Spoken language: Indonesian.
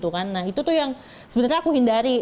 nah itu tuh yang sebenarnya aku hindari